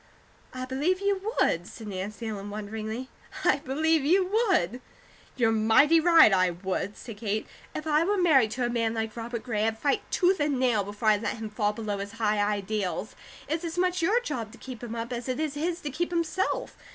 "I believe you would," said Nancy Ellen, wonderingly. "I believe you would!" "You're might right, I would," said Kate. "If I were married to a man like Robert Gray, I'd fight tooth and nail before I'd let him fall below his high ideals. It's as much your job to keep him up, as it is his to keep himself.